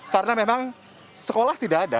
karena memang sekolah tidak ada